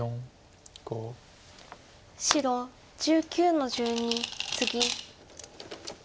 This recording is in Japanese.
白１９の十二ツギ。